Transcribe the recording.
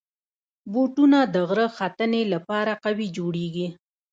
بوټونه د غره ختنې لپاره قوي جوړېږي.